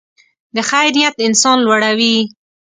د خیر نیت انسان لوړوي.